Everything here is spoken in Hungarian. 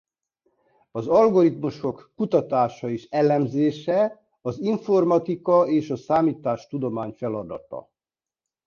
Az algoritmusok kutatása és elemzése az informatika és a számítástudomány feladata.